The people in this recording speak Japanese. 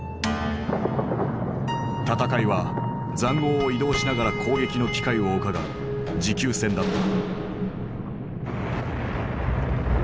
戦いは塹壕を移動しながら攻撃の機会をうかがう持久戦だった。